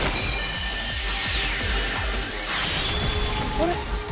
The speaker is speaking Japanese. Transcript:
あれ？